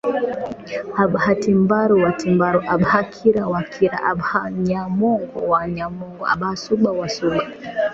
Abhatimbaru Watimbaru Abhakira Wakira Abhanyamongo Wanyamongo Abhasubha Wasuba